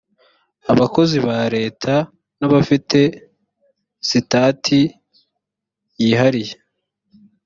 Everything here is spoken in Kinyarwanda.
abakozi ba leta n’abafite sitati yihariye